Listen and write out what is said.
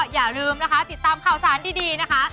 อย่าลืมนะคะติดตามข่าวสารดีนะคะ